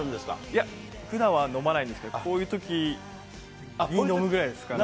いや、ふだんは飲まないんですけど、こういうときに飲むぐらいですかね。